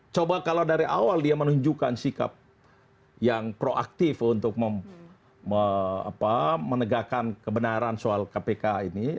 coba kalau dari awal dia menunjukkan sikap yang proaktif untuk menegakkan kebenaran soal kpk ini